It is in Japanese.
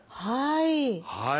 はい。